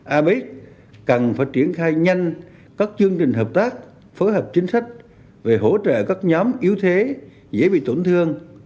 apec cần phải triển khai nhanh các chương trình hợp tác phối hợp chính sách về hỗ trợ các nhóm yếu thế dễ bị tổn thương